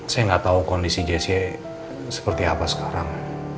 saya gak tau kondisi jessy seperti apa sekarang